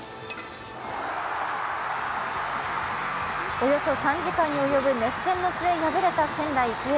およそ３時間に及ぶ熱戦の末敗れた仙台育英。